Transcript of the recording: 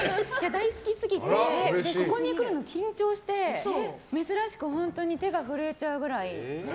大好きすぎてここに来るの緊張して珍しく手が震えちゃうくらい。